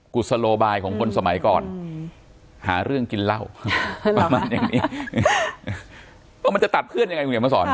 กุศโลบายของคนสมัยก่อนหาเรื่องกินเหล้าเพราะมันจะตัดเพื่อนยังไง